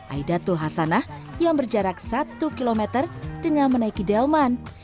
aidatul hasanah yang berjarak satu km dengan menaiki delman